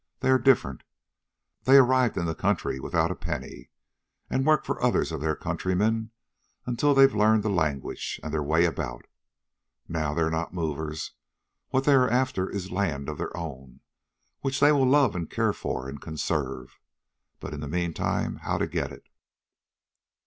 They are different. They arrive in the country without a penny and work for others of their countrymen until they've learned the language and their way about. Now they're not movers. What they are after is land of their own, which they will love and care for and conserve. But, in the meantime, how to get it?